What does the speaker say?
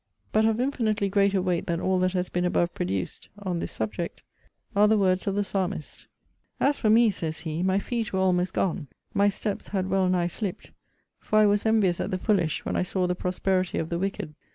But of infinitely greater weight than all that has been above produced on this subject, are the words of the Psalmist: 'As for me, says he,* my feet were almost gone, my steps had well nigh slipt: for I was envious at the foolish, when I saw the prosperity of the wicked.